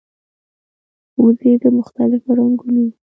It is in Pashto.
وزې د مختلفو رنګونو وي